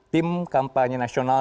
tim kampanye nasional